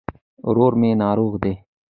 ورور مي ناروغ دي